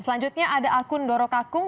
selanjutnya ada akun dorokakung